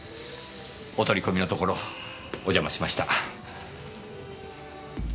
お取り込みのところお邪魔しました。